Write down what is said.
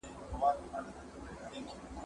داسې فضا رامنځته کړې وه.